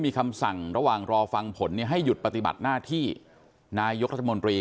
มีคำสั่งระหว่างรอฟังผลให้หยุดปฏิบัติหน้าที่นายกรัฐมนตรี